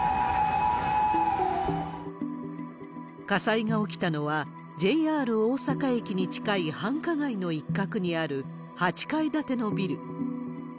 火災が起きたのは、ＪＲ大阪駅に近い繁華街の一角にある、８階建てのビル。